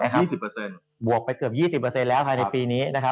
พี่บวกก็เร็วถึง๒๐แล้วในปีนี้